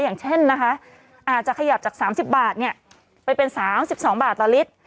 อย่างเช่นนะคะอาจจะขยับจาก๓๐บาทไปเป็น๓๒บาทต่อลิตร